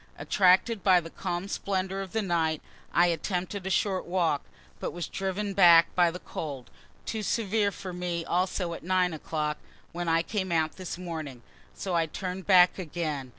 Attracted by the calm splendor of the night, I attempted a short walk, but was driven back by the cold. Too severe for me also at 9 o'clock, when I came out this morning, so I turn'd back again.